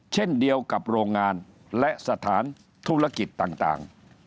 เช่นเดียวกับโรงงานและสถานธุรกิจต่าง